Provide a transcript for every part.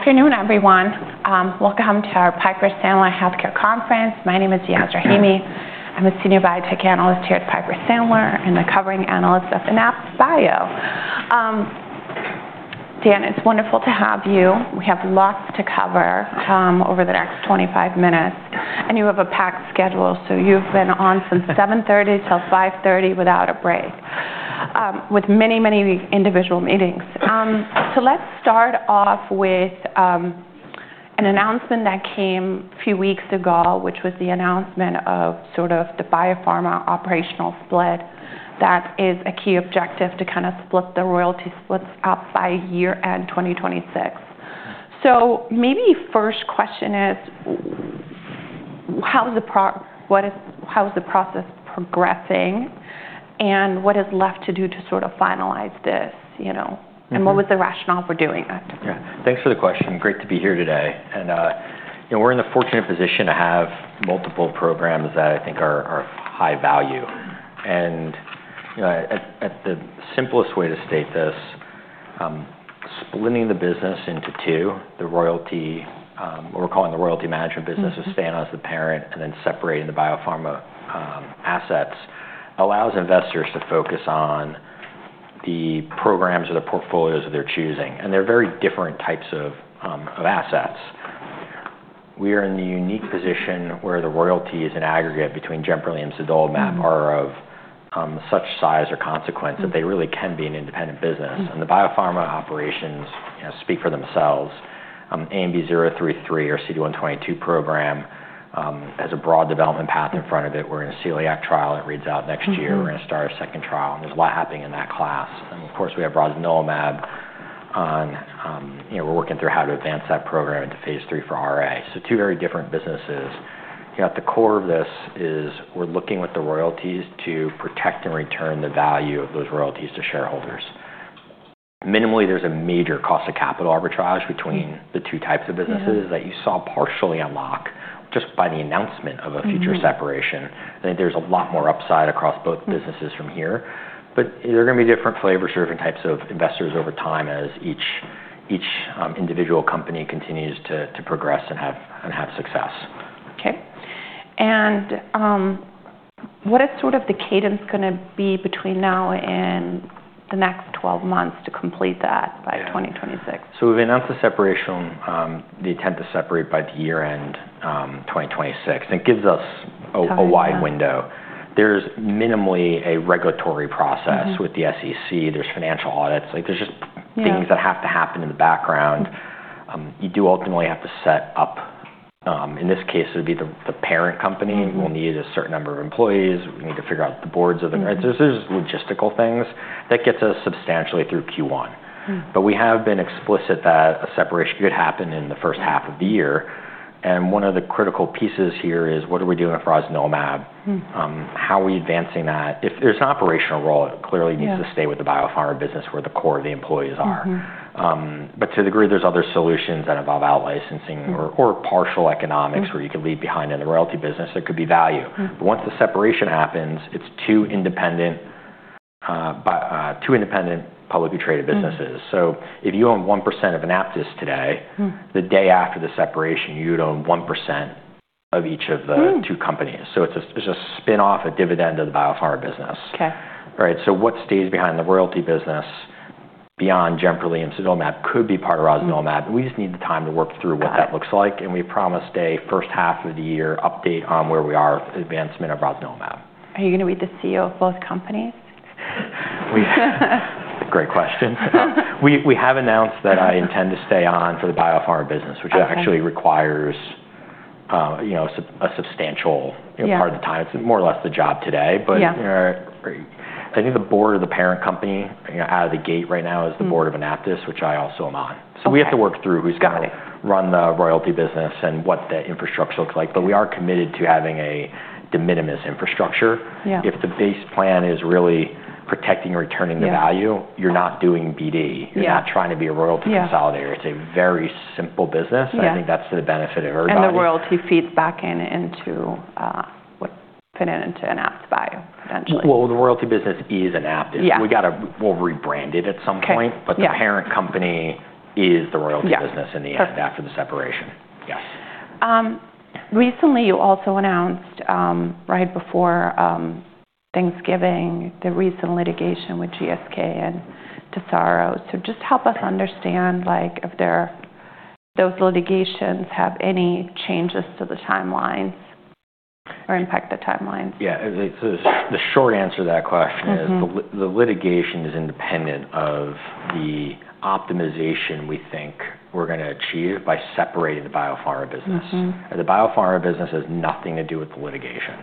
Good afternoon, everyone. Welcome to our Piper Sandler Healthcare Conference. My name is Yas Rahimi. I'm a Senior Biotech Analyst here at Piper Sandler, and the covering analyst of AnaptysBio. Dan, it's wonderful to have you. We have lots to cover over the next 25 minutes, and you have a packed schedule, so you've been on since 7:30 A.M. till 5:30 P.M. without a break, with many, many individual meetings, so let's start off with an announcement that came a few weeks ago, which was the announcement of sort of the biopharma operational split. That is a key objective to kind of split the royalty splits up by year-end 2026, so maybe first question is, how's the process progressing, and what is left to do to sort of finalize this? And what was the rationale for doing it? Yeah. Thanks for the question. Great to be here today. And we're in the fortunate position to have multiple programs that I think are high value. And the simplest way to state this, splitting the business into two, what we're calling the royalty management business, with AnaptysBio as the parent, and then separating the biopharma assets allows investors to focus on the programs or the portfolios of their choosing. And they're very different types of assets. We are in the unique position where the royalty is an aggregate between Jemperli dostarlimab are of such size or consequence that they really can be an independent business. And the biopharma operations speak for themselves. AMB-033, our CD122 program, has a broad development path in front of it. We're in a celiac trial that reads out next year. We're going to start a second trial. And there's a lot happening in that class. And of course, we have rosnilimab on. We're working through how to advance that program into phase III for RA. So two very different businesses. At the core of this is we're looking with the royalties to protect and return the value of those royalties to shareholders. Minimally, there's a major cost of capital arbitrage between the two types of businesses that you saw partially unlock just by the announcement of a future separation. I think there's a lot more upside across both businesses from here. But there are going to be different flavors or different types of investors over time as each individual company continues to progress and have success. Okay. And what is sort of the cadence going to be between now and the next 12 months to complete that by 2026? So we've announced the separation, the intent to separate by the year-end 2026. And it gives us a wide window. There's minimally a regulatory process with the SEC. There's financial audits. There's just things that have to happen in the background. You do ultimately have to set up, in this case, it would be the parent company. We'll need a certain number of employees. We need to figure out the boards of the parent. So there's logistical things that get us substantially through Q1. But we have been explicit that a separation could happen in the first half of the year. And one of the critical pieces here is what are we doing with rosnilimab? How are we advancing that? If there's an operational role, it clearly needs to stay with the biopharma business where the core of the employees are. But to the degree there's other solutions that involve outlicensing or partial economics where you can leave behind in the royalty business, there could be value. But once the separation happens, it's two independent publicly traded businesses. So if you own 1% of AnaptysBio today, the day after the separation, you'd own 1% of each of the two companies. So it's a spin-off, a dividend of the biopharma business. So what stays behind the royalty business beyond Jemperli dostarlimab could be part of rosnilimab. We just need the time to work through what that looks like. And we promised a first half of the year update on where we are with the advancement of rosnilimab. Are you going to be the CEO of both companies? Great question. We have announced that I intend to stay on for the biopharma business, which actually requires a substantial part of the time. It's more or less the job today. But I think the board of the parent company out of the gate right now is the board of AnaptysBio, which I also am on. So we have to work through who's going to run the royalty business and what the infrastructure looks like. But we are committed to having a de minimis infrastructure. If the base plan is really protecting or returning the value, you're not doing BD. You're not trying to be a royalty consolidator. It's a very simple business. I think that's to the benefit of everybody. The royalty feeds back into what fit into AnaptysBio, potentially. The royalty business is AnaptysBio. We'll rebrand it at some point. But the parent company is the royalty business in the end after the separation. Yes. Recently, you also announced right before Thanksgiving the recent litigation with GSK and Tesaro. So just help us understand if those litigations have any changes to the timelines or impact the timelines. Yeah. The short answer to that question is the litigation is independent of the optimization we think we're going to achieve by separating the biopharma business. The biopharma business has nothing to do with the litigation.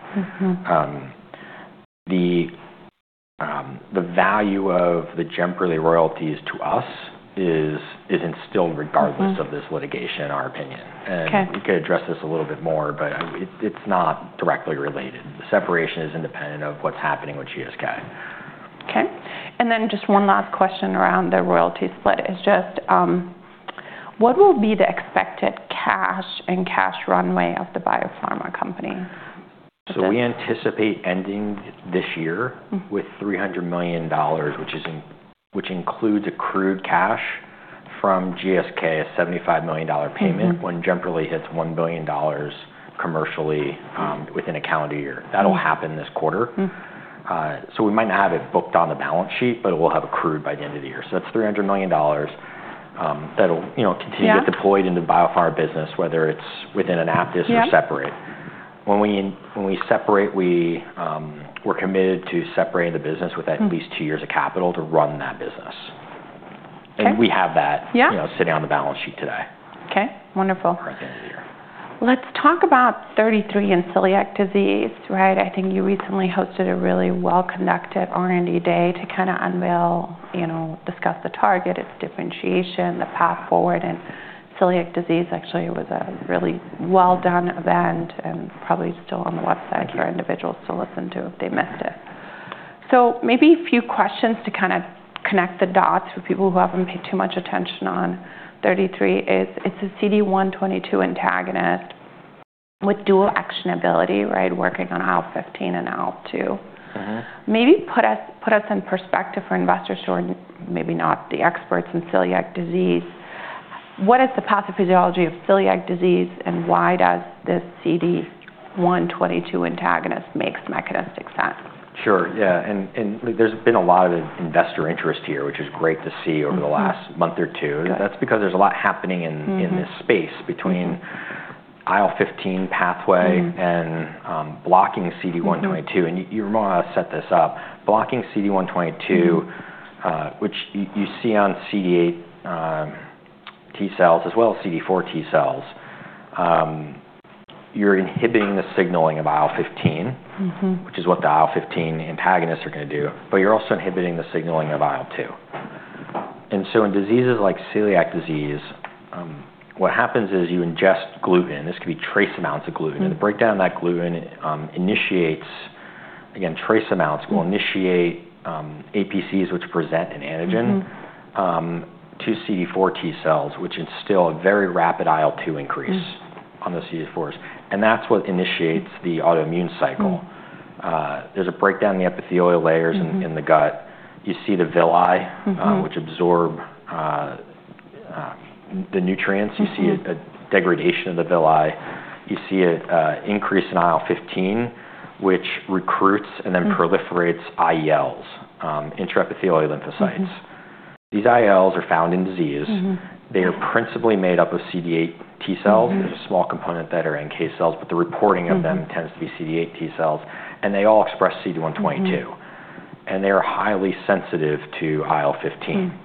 The value of the Jemperli and the royalties to us is intact regardless of this litigation, in our opinion, and we could address this a little bit more, but it's not directly related. The separation is independent of what's happening with GSK. Okay. And then just one last question around the royalty split is just what will be the expected cash and cash runway of the biopharma company? So we anticipate ending this year with $300 million, which includes accrued cash from GSK, a $75 million payment when Jemperli milestone and the royalty hits $1 billion commercially within a calendar year. That'll happen this quarter. So we might not have it booked on the balance sheet, but it will have accrued by the end of the year. So that's $300 million that will continue to get deployed into the biopharma business, whether it's within Anaptys or separate. When we separate, we're committed to separating the business with at least two years of capital to run that business. And we have that sitting on the balance sheet today. Okay. Wonderful. At the end of the year. Let's talk about ANB033 and celiac disease. I think you recently hosted a really well-conducted R&D day to kind of unveil, discuss the target, its differentiation, the path forward. And celiac disease actually was a really well-done event and probably still on the website for individuals to listen to if they missed it. So maybe a few questions to kind of connect the dots for people who haven't paid too much attention on ANB033 is it's a CD122 antagonist with dual actionability, working on IL-15 and IL-2. Maybe put us in perspective for investors who are maybe not the experts in celiac disease. What is the pathophysiology of celiac disease, and why does this CD122 antagonist make mechanistic sense? Sure. Yeah. And there's been a lot of investor interest here, which is great to see over the last month or two. That's because there's a lot happening in this space between IL-15 pathway and blocking CD122. And you reminded us to set this up. Blocking CD122, which you see on CD8 T cells as well as CD4 T cells, you're inhibiting the signaling of IL-15, which is what the IL-15 antagonists are going to do. But you're also inhibiting the signaling of IL-2. And so in diseases like celiac disease, what happens is you ingest gluten. This could be trace amounts of gluten. And the breakdown of that gluten initiates, again, trace amounts will initiate APCs, which present an antigen, to CD4 T cells, which instill a very rapid IL-2 increase on those CD4s. And that's what initiates the autoimmune cycle. There's a breakdown in the epithelial layers in the gut. You see the villi, which absorb the nutrients. You see a degradation of the villi. You see an increase in IL-15, which recruits and then proliferates IELs, intraepithelial lymphocytes. These IELs are found in disease. They are principally made up of CD8 T cells. There's a small component that are NK cells, but the reporting of them tends to be CD8 T cells, and they all express CD122, and they are highly sensitive to IL-15,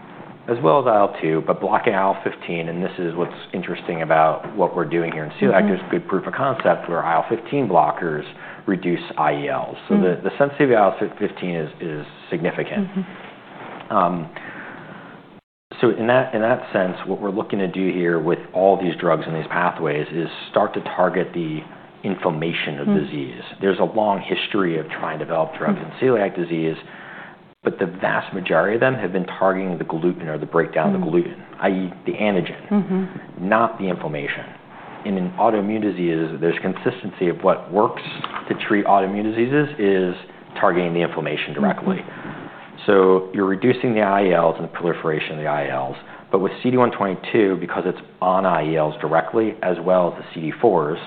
as well as IL-2, but blocking IL-15, and this is what's interesting about what we're doing here in celiac, there's good proof of concept where IL-15 blockers reduce IELs. So the sensitivity of IL-15 is significant, so in that sense, what we're looking to do here with all these drugs and these pathways is start to target the inflammation of disease. There's a long history of trying to develop drugs in celiac disease, but the vast majority of them have been targeting the gluten or the breakdown of the gluten, i.e., the antigen, not the inflammation. And in autoimmune diseases, there's consistency of what works to treat autoimmune diseases is targeting the inflammation directly. So you're reducing the IELs and the proliferation of the IELs. But with CD122, because it's on IELs directly as well as the CD4s,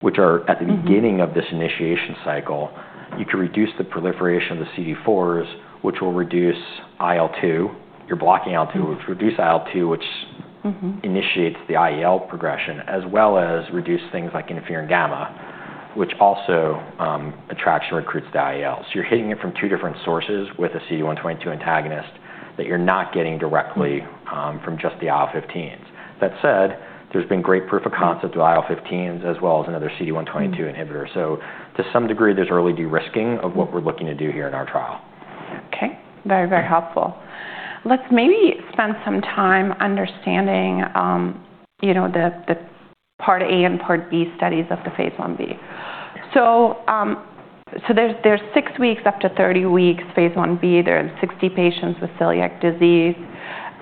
which are at the beginning of this initiation cycle, you can reduce the proliferation of the CD4s, which will reduce IL-2. You're blocking IL-2, which reduces IL-2, which initiates the IEL progression, as well as reduce things like interferon gamma, which also attracts and recruits the IELs. So you're hitting it from two different sources with a CD122 antagonist that you're not getting directly from just the IL-15s. That said, there's been great proof of concept with IL-15s as well as another CD122 inhibitor. So to some degree, there's early de-risking of what we're looking to do here in our trial. Okay. Very, very helpful. Let's maybe spend some time understanding the part A and part B studies of the phase I-B. So there's six weeks up to 30 weeks phase I-B. There are 60 patients with celiac disease.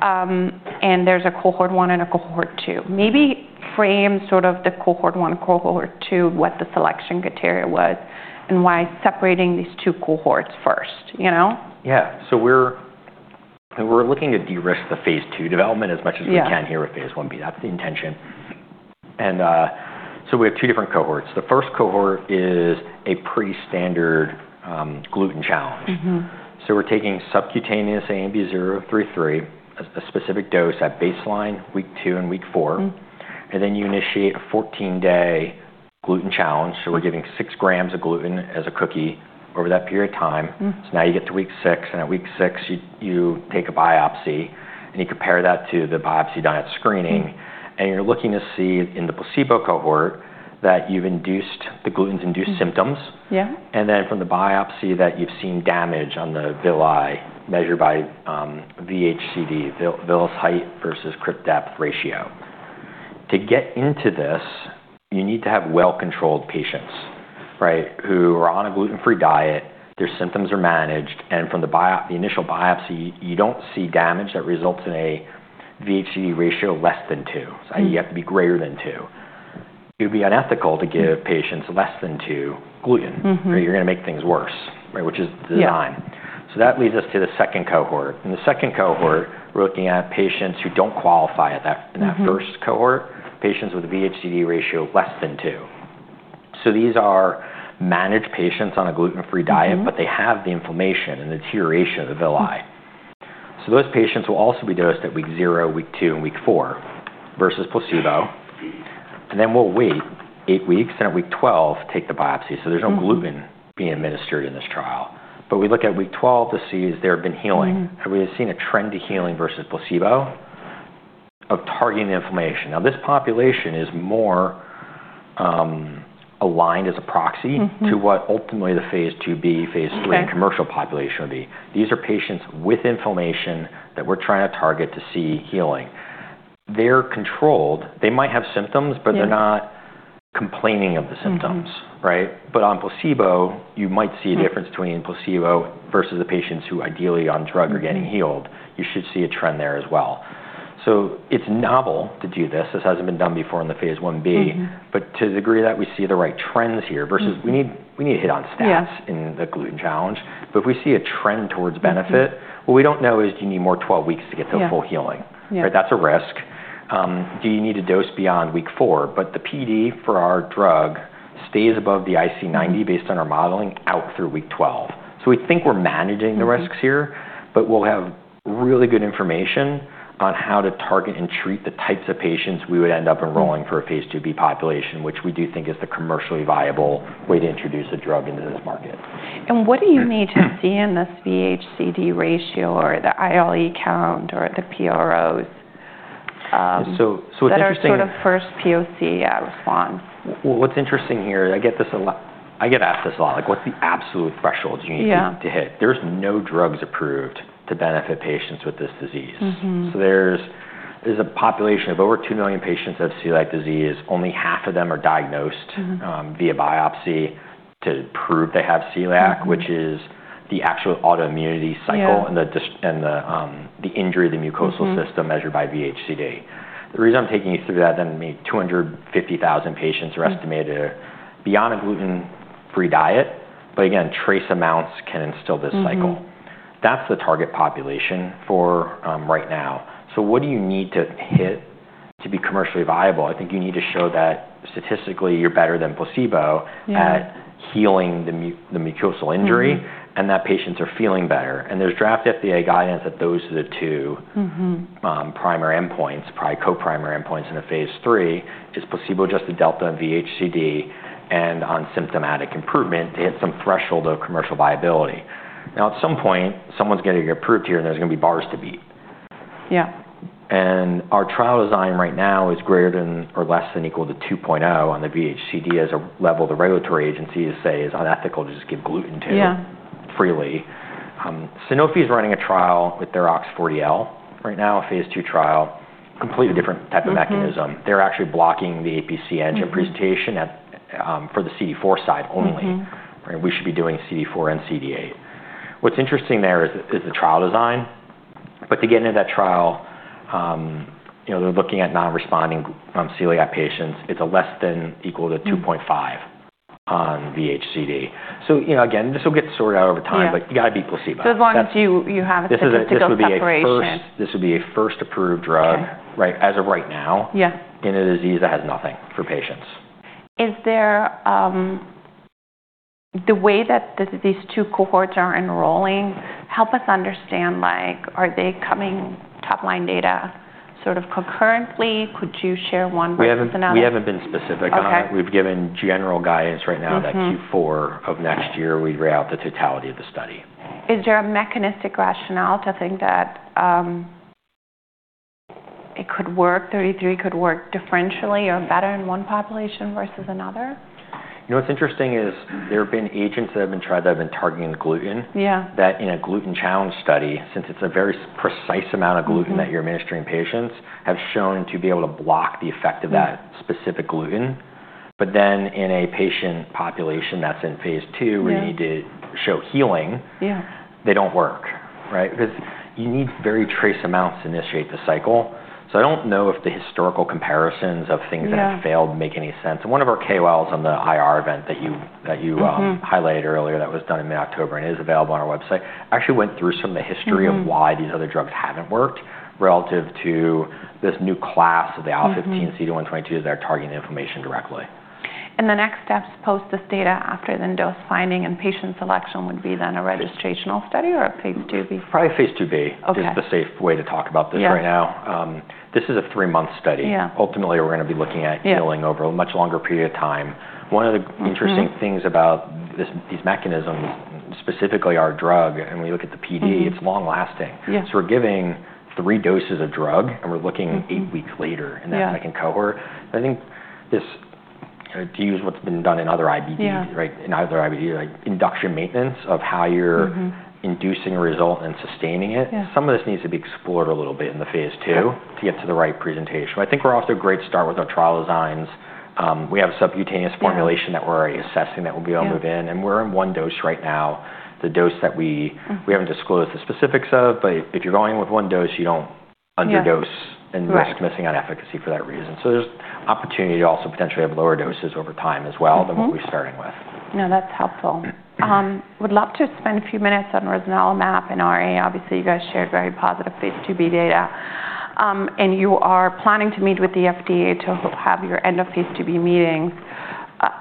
And there's a cohort 1 and a cohort 2. Maybe frame sort of the cohort 1, cohort 2, what the selection criteria was, and why separating these two cohorts first. Yeah. So we're looking to de-risk the phase II development as much as we can here with phase I-B. That's the intention. We have two different cohorts. The first cohort is a pretty standard gluten challenge. We're taking subcutaneous AMB-033, a specific dose at baseline, week two and week four. Then you initiate a 14-day gluten challenge. We're giving six grams of gluten as a cookie over that period of time. Now you get to week six. At week six, you take a biopsy. You compare that to the biopsy done at screening. You're looking to see in the placebo cohort that you've induced gluten-induced symptoms. Then from the biopsy that you've seen damage on the villi measured by VH:CD, villous height versus crypt depth ratio. To get into this, you need to have well-controlled patients who are on a gluten-free diet. Their symptoms are managed, and from the initial biopsy, you don't see damage that results in a VH:CD ratio less than 2, so you have to be greater than 2. It would be unethical to give patients less than 2 gluten. You're going to make things worse, which is the design, so that leads us to the second cohort. In the second cohort, we're looking at patients who don't qualify in that first cohort, patients with a VH:CD ratio less than 2, so these are managed patients on a gluten-free diet, but they have the inflammation and deterioration of the villi, so those patients will also be dosed at week 0, week 2, and week 4 versus placebo, and then we'll wait eight weeks, and at week 12, take the biopsy. So there's no gluten being administered in this trial. But we look at week 12 to see if there have been healing. And we have seen a trend to healing versus placebo of targeting the inflammation. Now, this population is more aligned as a proxy to what ultimately the phase II-B, phase III, commercial population would be. These are patients with inflammation that we're trying to target to see healing. They're controlled. They might have symptoms, but they're not complaining of the symptoms. But on placebo, you might see a difference between placebo versus the patients who ideally on drug are getting healed. You should see a trend there as well. So it's novel to do this. This hasn't been done before in the phase I-B. But to the degree that we see the right trends here versus we need to hit on stats in the gluten challenge. But if we see a trend towards benefit, what we don't know is, do you need more 12 weeks to get to a full healing? That's a risk. Do you need to dose beyond week 4? But the PD for our drug stays above the IC90 based on our modeling out through week 12. So we think we're managing the risks here, but we'll have really good information on how to target and treat the types of patients we would end up enrolling for a phase II-B population, which we do think is the commercially viable way to introduce a drug into this market. What do you need to see in this VH:CD ratio or the IEL count or the PROs? It's interesting. That's sort of first POC response. What's interesting here, I get this a lot. I get asked this a lot. What's the absolute threshold you need to hit? There's no drugs approved to benefit patients with this disease. So there's a population of over two million patients that have celiac disease. Only half of them are diagnosed via biopsy to prove they have celiac, which is the actual autoimmunity cycle and the injury of the mucosal system measured by VH:CD. The reason I'm taking you through that, then maybe 250,000 patients are estimated to be on a gluten-free diet, but again, trace amounts can instill this cycle. That's the target population for right now. So what do you need to hit to be commercially viable? I think you need to show that statistically you're better than placebo at healing the mucosal injury and that patients are feeling better. There's draft FDA guidance that those are the two primary endpoints, co-primary endpoints in a phase III. Is placebo just a delta in VHCD and on symptomatic improvement to hit some threshold of commercial viability? Now, at some point, someone's going to get approved here and there's going to be bars to beat. Our trial design right now is greater than or equal to 2.0 on the VHCD as a level of the regulatory agency to say is unethical to just give gluten to freely. Sanofi is running a trial with their OX40L right now, a phase II trial, completely different type of mechanism. They're actually blocking the APC antigen presentation for the CD4 side only. We should be doing CD4 and CD8. What's interesting there is the trial design. To get into that trial, they're looking at non-responding celiac patients. It's less than or equal to 2.5 on VH:CD. So again, this will get sorted out over time, but you got to beat placebo. So as long as you have a specific declaration. This would be a first approved drug as of right now in a disease that has nothing for patients. The way that these two cohorts are enrolling, help us understand, are they coming top-line data sort of concurrently? Could you share one with us now? We haven't been specific on that. We've given general guidance right now that Q4 of next year, we'd read out the totality of the study. Is there a mechanistic rationale to think that it could work, AMB-033 could work differentially or better in one population versus another? What's interesting is there have been agents that have been tried that have been targeting gluten, that in a gluten challenge study, since it's a very precise amount of gluten that you're administering to patients, have shown to be able to block the effect of that specific gluten. But then in a patient population that's in phase II, we need to show healing, they don't work. Because you need very trace amounts to initiate the cycle. So I don't know if the historical comparisons of things that have failed make any sense. And one of our KOLs on the IR event that you highlighted earlier that was done in mid-October and is available on our website actually went through some of the history of why these other drugs haven't worked relative to this new class of the IL-15, CD122s that are targeting inflammation directly. The next steps post this data after the dose finding and patient selection would be then a registrational study or a phase II-B? Probably phase II-B is the safe way to talk about this right now. This is a three-month study. Ultimately, we're going to be looking at healing over a much longer period of time. One of the interesting things about these mechanisms, specifically our drug, and when you look at the PD, it's long-lasting. So we're giving three doses of drug and we're looking eight weeks later in that second cohort. I think this, to use what's been done in other IBD, induction maintenance of how you're inducing a result and sustaining it, some of this needs to be explored a little bit in the phase II to get to the right presentation. I think we're off to a great start with our trial designs. We have a subcutaneous formulation that we're already assessing that we'll be able to move in, and we're in one dose right now. The dose that we haven't disclosed the specifics of, but if you're going with one dose, you don't underdose and risk missing on efficacy for that reason. So there's opportunity to also potentially have lower doses over time as well than what we're starting with. No, that's helpful. Would love to spend a few minutes on rosnilimab and RA. Obviously, you guys shared very positive phase II-B data. And you are planning to meet with the FDA to have your end of phase II-B meetings.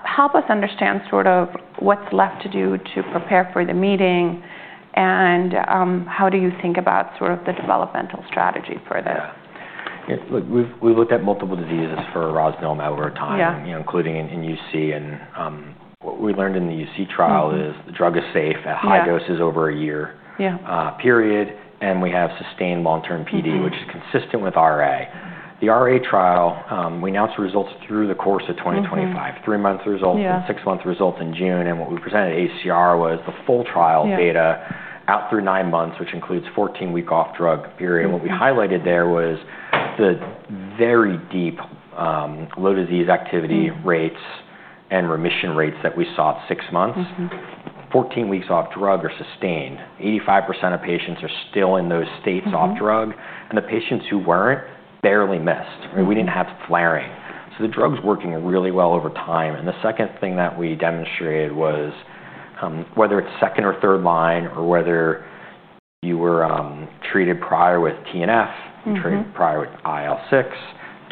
Help us understand sort of what's left to do to prepare for the meeting and how do you think about sort of the developmental strategy for this? Look, we looked at multiple diseases for Rosnilimab over time, including in UC, and what we learned in the UC trial is the drug is safe at high doses over a year period, and we have sustained long-term PD, which is consistent with RA. The RA trial, we announced results through the course of 2025, three-month results, then six-month results in June, and what we presented at ACR was the full trial data out through nine months, which includes 14-week off drug period. What we highlighted there was the very deep low disease activity rates and remission rates that we saw at six months, 14 weeks off drug are sustained. 85% of patients are still in those states off drug, and the patients who weren't barely missed. We didn't have flaring, so the drug's working really well over time. The second thing that we demonstrated was whether it's second or third line or whether you were treated prior with TNF, treated prior with IL-6,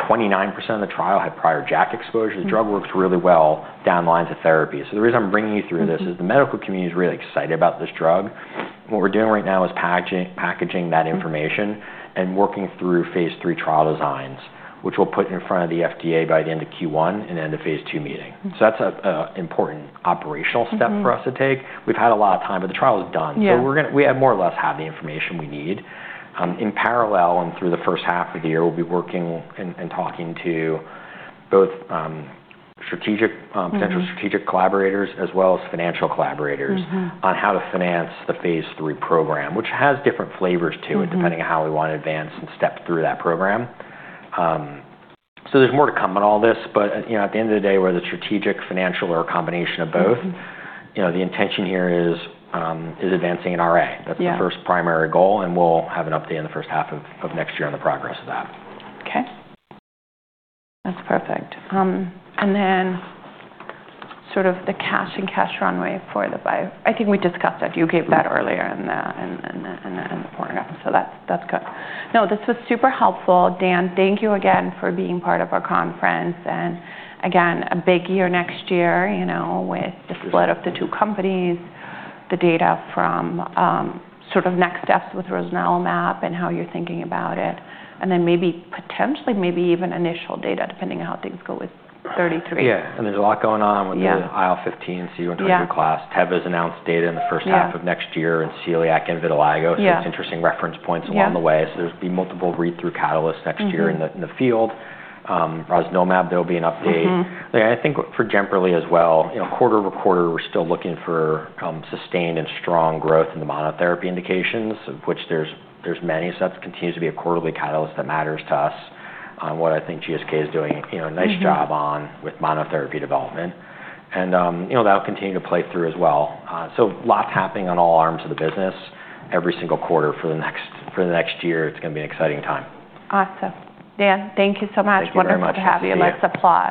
29% of the trial had prior JAK exposure. The drug works really well down the lines of therapy. So the reason I'm bringing you through this is the medical community is really excited about this drug. What we're doing right now is packaging that information and working through phase III trial designs, which we'll put in front of the FDA by the end of Q1 and end of phase 2 meeting. So that's an important operational step for us to take. We've had a lot of time, but the trial is done. So we have more or less had the information we need. In parallel and through the first half of the year, we'll be working and talking to both potential strategic collaborators as well as financial collaborators on how to finance the phase 3 program, which has different flavors to it depending on how we want to advance and step through that program. So there's more to come on all this. But at the end of the day, whether it's strategic, financial, or a combination of both, the intention here is advancing in RA. That's the first primary goal. And we'll have an update in the first half of next year on the progress of that. Okay. That's perfect. And then sort of the cash and cash runway for the—I think we discussed that. You gave that earlier in the PowerPoint. So that's good. No, this was super helpful. Dan, thank you again for being part of our conference. And again, a big year next year with the split of the two companies, the data from sort of next steps with rosnilimab and AMB-033 and how you're thinking about it. And then maybe potentially maybe even initial data depending on how things go with AMB-033. Yeah. And there's a lot going on with the IL-15, CD122 class. Teva has announced data in the first half of next year in celiac and vitiligo. So it's interesting reference points along the way. So there'll be multiple read-through catalysts next year in the field. Rosnilimab, there'll be an update. I think for Jemperli as well. Quarter over quarter, we're still looking for sustained and strong growth in the monotherapy indications, which there's many. So that continues to be a quarterly catalyst that matters to us on what I think GSK is doing a nice job on with monotherapy development. And that'll continue to play through as well. So lots happening on all arms of the business every single quarter for the next year. It's going to be an exciting time. Awesome. Dan, thank you so much. Thank you very much. Wonderful to have you. Let's applaud.